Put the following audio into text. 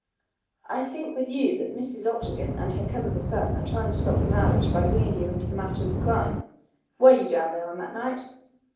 "I think with you that Mrs. Octagon and her cub of a son are trying to stop the marriage by bringing you into the matter of the crime. Were you down there on that night?"